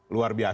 luar biasa ini